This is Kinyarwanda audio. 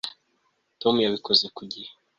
tom yabikoze ku gihe